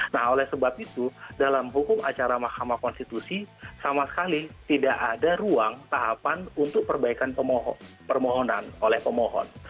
nah oleh sebab itu dalam hukum acara mahkamah konstitusi sama sekali tidak ada ruang tahapan untuk perbaikan permohonan oleh pemohon